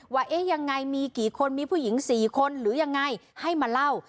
ว่าเอ๊ะยังไงมีกี่คนมีผู้หญิง๔คนหรือยังไงให้มาเล่า